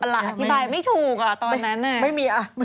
พีห์ต่าจะถ่ายไม่ถูกตอนนั้น